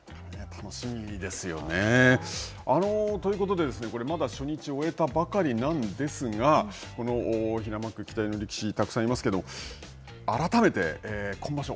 楽しみですよね。ということで、まだ初日を終えたばかりなんですが、平幕期待の力士、たくさんいますけれども、改めて、今場所